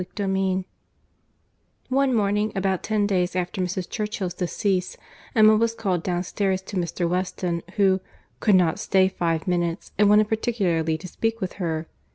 CHAPTER X One morning, about ten days after Mrs. Churchill's decease, Emma was called downstairs to Mr. Weston, who "could not stay five minutes, and wanted particularly to speak with her."